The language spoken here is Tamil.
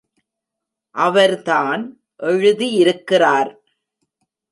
அவர் தான் எழுதியிருக்கிறார்!